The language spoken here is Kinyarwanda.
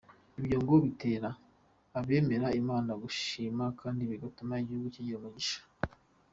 Ibyo ngo bitera abemera Imana kuyishima kandi bigatuma igihugu kigira umugisha.